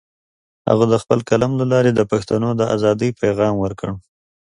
هغه د خپل قلم له لارې د پښتنو د ازادۍ پیغام ورکړ.